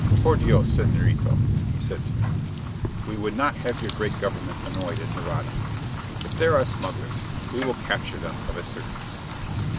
"Por Dios Señorito," he said to me, "we would not have your great government annoyed at Nareda. If there are smugglers, we will capture them of a certainty."